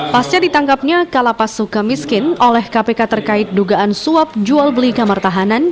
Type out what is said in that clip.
pasca ditangkapnya kalapas suka miskin oleh kpk terkait dugaan suap jual beli kamar tahanan